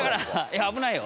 危ないよ。